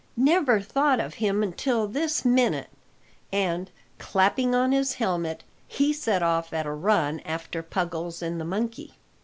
"Never thought of him until this minute!" and, clapping on his helmet, he set off at a run after Puggles and the monkey.